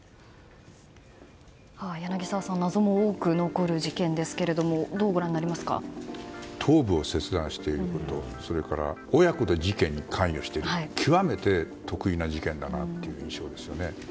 柳澤さん謎も多く残る事件ですが頭部を切断していることそれから親子で事件に関与しているという極めて特異な事件だなという印象ですね。